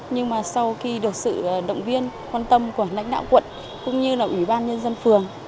nhưng mà sau khi được sự động viên quan tâm của lãnh đạo quận cũng như là ủy ban nhân dân phường